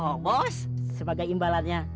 oh bos sebagai imbalannya